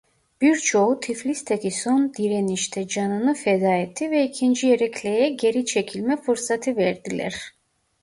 Birçoğu Tiflis'teki son direnişte canını feda etti ve ikinci Erekle'ye geri çekilme fırsatı verdiler.